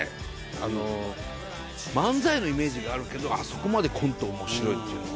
あの漫才のイメージがあるけどあそこまでコント面白いっていうのは。